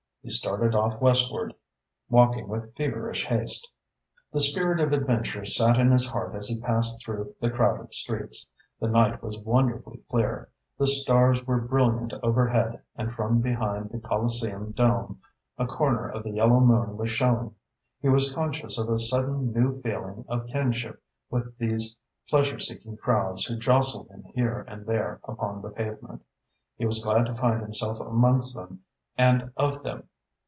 He started off westward, walking with feverish haste. The spirit of adventure sat in his heart as he passed through the crowded streets. The night was wonderfully clear, the stars were brilliant overhead and from behind the Colliseum dome a corner of the yellow moon was showing. He was conscious of a sudden new feeling of kinship with these pleasure seeking crowds who jostled him here and there upon the pavement. He was glad to find himself amongst them and of them.